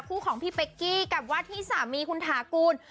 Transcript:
ของพี่เป๊กกี้กับว่าที่สามีคุณถากูล